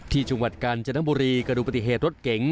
จังหวัดกาญจนบุรีกระดูกปฏิเหตุรถเก๋ง